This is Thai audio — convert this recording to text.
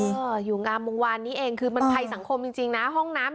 อยู่งามวงวานนี่เองคือมันไพสังคมจริงนะ